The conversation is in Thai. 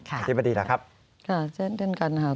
อาธิปทีด้วยครับ